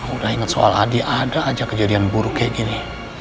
udah inget soal hadi ada aja kejadian buruk kayak gini